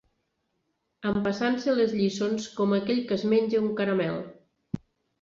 Empassant-se les lliçons com aquell que es menja un caramel